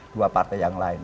dua partai yang lain